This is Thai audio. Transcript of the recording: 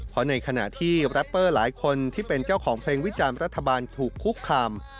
เพราะในขณะที่แรปเปอร์หลายคนที่เป็นเจ้าของเพลงวิจารณ์รัฐบาลถูกคุกคาม